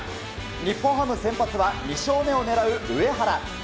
日本ハム先発は２勝目を狙う、上原。